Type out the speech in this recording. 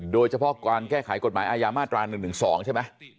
โดยเฉพาะการแก้ไขกฎหมายอาญามาตรา๑๑๒ใช่ไหม